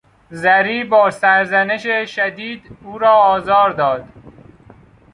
زری با سرزنش شدید او را آزار داد.